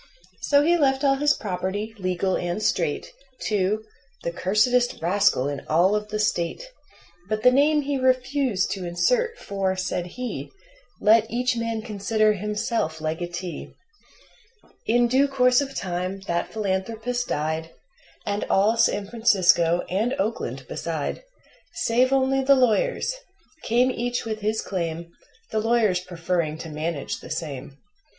So he left all his property, legal and straight, To "the cursedest rascal in all of the State." But the name he refused to insert, for, said he: "Let each man consider himself legatee." In due course of time that philanthropist died, And all San Francisco, and Oakland beside Save only the lawyers came each with his claim, The lawyers preferring to manage the same.